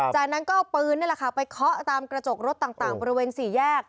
จากนั้นก็เอาปืนนี่แหละค่ะไปเคาะตามกระจกรถต่างบริเวณสี่แยก